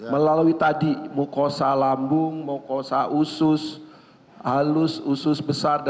melalui tadi mukosa lambung mukosa usus halus usus besar